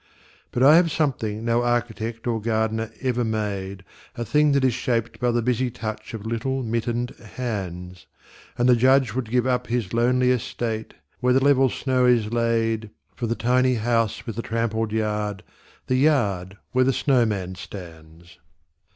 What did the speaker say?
But I have something no architect or gardener ever made, A thing that is shaped by the busy touch of little mittened hands: And the Judge would give up his lonely estate, where the level snow is laid For the tiny house with the trampled yard, the yard where the snowman stands.